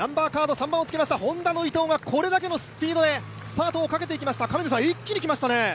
３番をつけましたＨｏｎｄａの伊藤がこれだけのスピードでスパートをかけていきました一気に来ましたね。